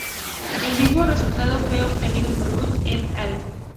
El mismo resultado fue obtenido por Lü "et al.